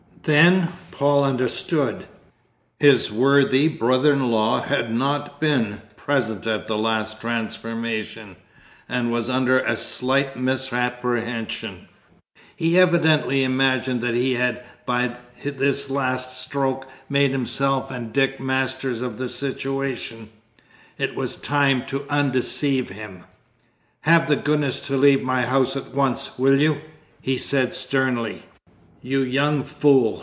Then Paul understood; his worthy brother in law had not been present at the last transformation and was under a slight misapprehension: he evidently imagined that he had by this last stroke made himself and Dick masters of the situation it was time to undeceive him. "Have the goodness to leave my house at once, will you!" he said sternly. "You young fool!"